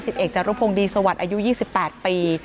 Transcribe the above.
สิทธิ์เอกจารุพงศ์ดีสวรรค์อายุ๒๘ปี